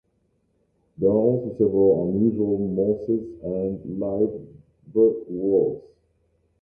There are also several unusual mosses and liverworts.